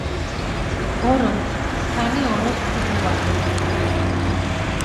ღორონთ, სქანი ოროს ქუგუალე!